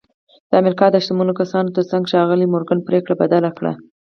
د امریکا د شتمنو کسانو ترڅنګ ښاغلي مورګان پرېکړه بدله کړه